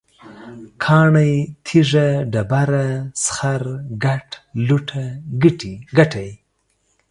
کاڼی، تیږه، ډبره، سخر، ګټ، لوټه، ګټی